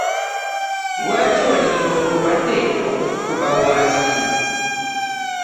Lwaki olinda obulwadde okukukuba wansi?